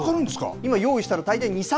今、用意したのは大体２、３